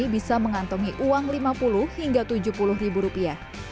bisa mengantongi uang lima puluh hingga tujuh puluh ribu rupiah